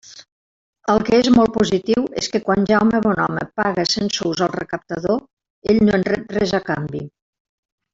El que és molt positiu és que quan Jaume Bonhome paga cent sous al recaptador, ell no en rep res a canvi.